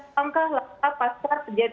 tangkah lapas pasar